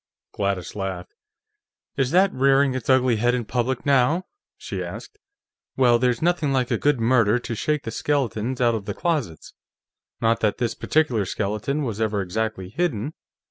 Gladys laughed. "Is that rearing its ugly head in public, now?" she asked. "Well, there's nothing like a good murder to shake the skeletons out of the closets. Not that this particular skeleton was ever exactly hidden.